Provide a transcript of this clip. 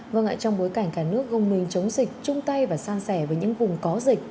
vâng ạ trong bối cảnh cả nước gồng mình chống dịch chung tay và san sẻ với những vùng có dịch